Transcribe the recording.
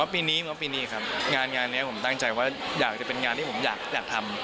ปีนี้น้องปีนี้ครับงานนี้ผมตั้งใจว่าอยากจะเป็นงานที่ผมอยากทำ